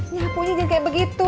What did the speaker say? nyapunya jadi kayak begitu